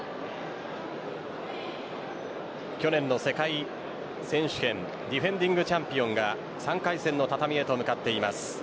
去年の世界選手権ディフェンディングチャンピオンが３回戦の畳へと向かっています。